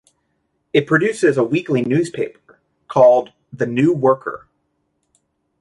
It produces a weekly newspaper called "The New Worker".